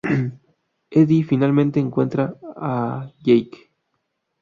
Eddie finalmente encuentra a Jake.